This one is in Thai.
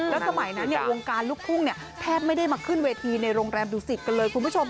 แล้วสมัยนั้นวงการลูกทุ่งแทบไม่ได้มาขึ้นเวทีในโรงแรมดูสิตกันเลยคุณผู้ชม